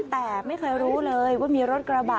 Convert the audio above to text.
แต่ไม่เคยรู้เลยว่ามีรถกระบะ